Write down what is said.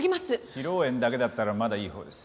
披露宴だけだったらまだいいほうです。